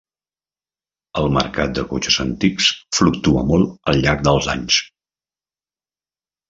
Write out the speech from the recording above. El marcat de cotxes antics fluctua molt al llarg dels anys.